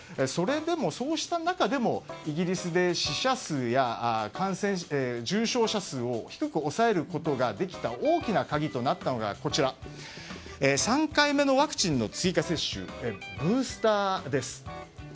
それでも、そうした中でもイギリスで死者数や重症者数を低く抑えることができた大きな鍵となったのが３回目のワクチンの追加接種ブースターです。